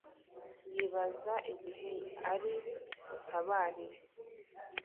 yibaza igihe ari butabarire